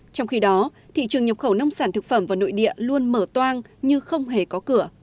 trong khi đó thị trường nhập khẩu nông sản thực phẩm vào nội địa luôn mở toang như không hề có cửa